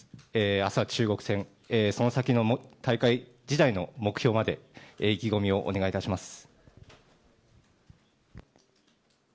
明日は中国戦その先の大会自体の目標まで意気込みをお願いします。